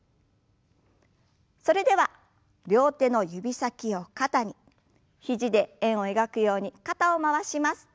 それでは両手の指先を肩に肘で円を描くように肩を回します。